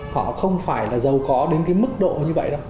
họ không phải là giàu khó đến cái mức độ như vậy đâu